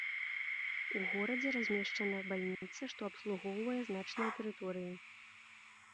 У горадзе размешчана бальніца, што абслугоўвае значныя тэрыторыі.